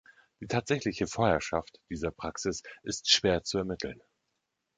Die tatsächliche Vorherrschaft dieser Praxis ist schwer zu ermitteln.